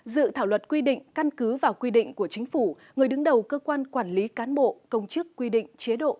dự thảo luật quy định căn cứ vào quy định của chính phủ người đứng đầu cơ quan quản lý cán bộ công chức quy định chế độ